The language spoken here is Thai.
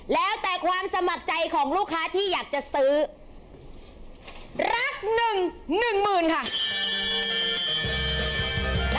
แล้วแต่ความสมัครใจของลูกค้าที่อยากจะซื้อรักหนึ่งหนึ่งหมื่นค่ะ